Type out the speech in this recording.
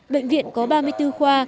bệnh viện có ba mươi bốn khoa